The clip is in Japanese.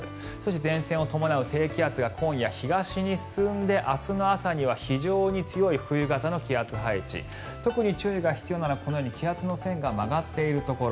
前線を伴う低気圧が今夜、東に進んで明日の朝には非常に強い冬型の気圧配置特に注意が必要なのは気圧の線が曲がっているところ。